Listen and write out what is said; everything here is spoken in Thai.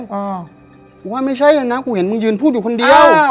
บอกว่าไม่ใช่นะกูเห็นมึงยืนพูดอยู่คนเดียว